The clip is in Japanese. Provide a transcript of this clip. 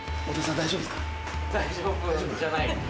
大丈夫じゃない。